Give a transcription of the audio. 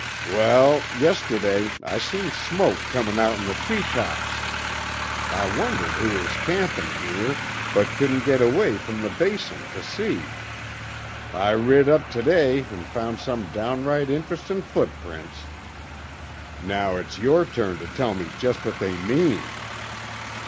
Wal, yesterday I seen smoke comin' outen the treetops. I wondered who was campin' here, but couldn't git away from the Basin tuh see. I rid up tuhday an' found some downright interestin' footprints. Now it's yore turn tuh tell jest what they mean."